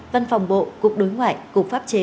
văn phòng bộ cục đối ngoại cục pháp chế